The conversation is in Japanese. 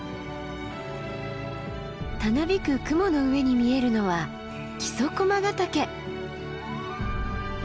たなびく雲の上に見えるのは木曽駒ヶ岳。